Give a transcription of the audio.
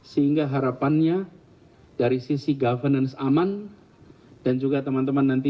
sehingga harapannya dari sisi governance aman dan juga teman teman nanti